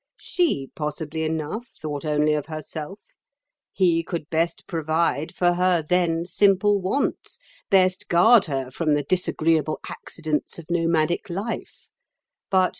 She, possibly enough, thought only of herself; he could best provide for her then simple wants, best guard her from the disagreeable accidents of nomadic life.